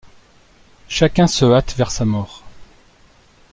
Chacun se hâte vers sa mort.